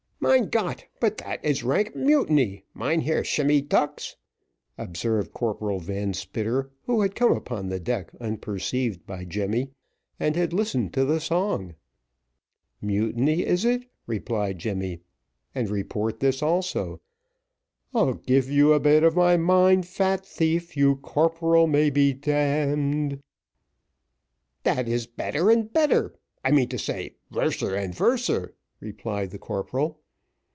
"Mein Gott! but dat is rank mutiny, Mynheer Shemmy Tucks," observed Corporal Van Spitter, who had come upon the deck unperceived by Jemmy, and had listened to the song. "Mutiny, is it?" replied Jemmy, "and report this also. "I'll give you a bit of my mind, fat thief, You, corporal, may be d d." "Dat is better and better I mean to say, worser and worser," replied the corporal.